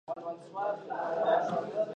شيدې د ماشوم لومړنی واکسين دی.